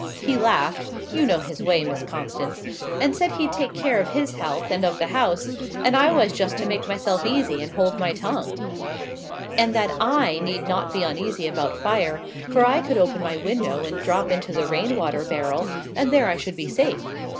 He laughed you know his way, Miss Constance and said he'd take care of his health and of the house, and I was just to make myself easy and hold my tongue, and that I need not be uneasy about fire, for I could open my window and drop into the rain water barrel, and there I should be safe.